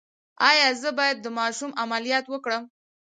ایا زه باید د ماشوم عملیات وکړم؟